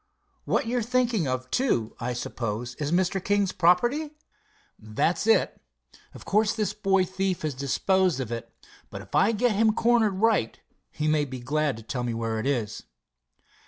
What you're thinking of, too, I suppose, is Mr. King's property?" "That's it. Of course this boy thief has disposed of it, but if I get him cornered right he may be glad to tell where it is."